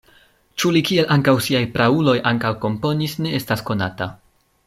Ĉu li kiel ankaŭ siaj prauloj ankaŭ komponis, ne estas konata.